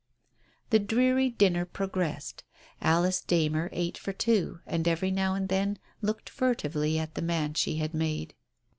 The dreary dinner progressed. Alice Darner ate for two, and every now and then looked furtively at the man she had made.